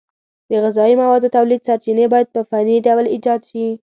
د غذایي موادو تولید سرچینې باید په فني ډول ایجاد شي.